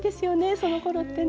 そのころってね。